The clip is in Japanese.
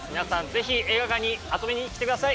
ぜひ映画館に遊びに来てください